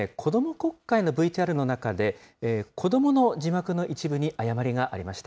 国会のＶＴＲの中で、子どもの字幕の一部に誤りがありました。